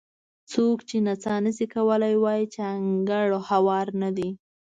څوک چې نڅا نه شي کولی وایي چې انګړ هوار نه دی.